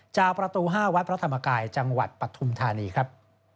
จากประตู๕วัดพระธรรมกายจังหวัดปฐุมธานีครับ